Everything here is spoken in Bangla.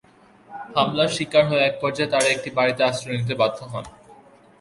হামলার শিকার হয়ে একপর্যায়ে তাঁরা একটি বাড়িতে আশ্রয় নিতে বাধ্য হন।